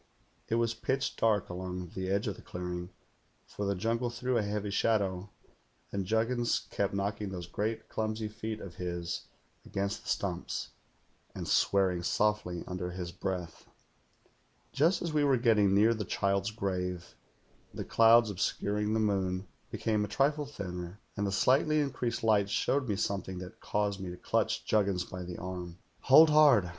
It was pitch dark along the edge of the clearing, for the jungle threw a heavy shadow; and Juggins kept knocking those great clumsy feet of his against the stumps, and swearing softly under his breath. 128 THE GHOUL "Just as we were getting near the child's grave the clouds obscuring the moon became a trifle thinner, and the slightly increased light showed me something that caused me to clutch Juggins by the arm. "'Hold hard!'